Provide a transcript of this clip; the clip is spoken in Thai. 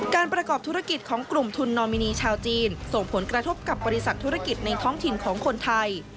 การประกอบธุรกิจของกลุ่มทุนนอมินีชาวจีนส่งผลกระทบกับบริษัทธุรกิจในท้องถิ่นของคนไทย